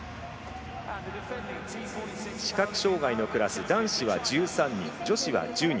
視覚障がいのクラス男子は１３人女子は１０人。